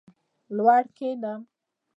لوړ کښېنم.